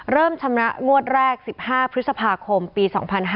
เริ่มชำระงวดแรก๑๕พฤษภาคมปี๒๕๖๑